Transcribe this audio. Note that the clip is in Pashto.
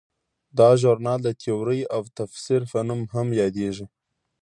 دا ژورنال د تیورۍ او تفسیر په نوم هم یادیږي.